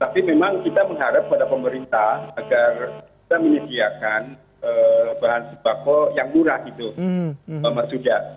tapi memang kita mengharap pada pemerintah agar kita menyediakan bahan sembako yang murah gitu pak mercuda